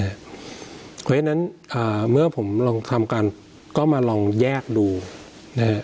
เพราะฉะนั้นเมื่อผมลองทำกันก็มาลองแยกดูนะฮะ